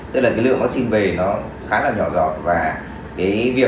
tức là cái lượng vaccine về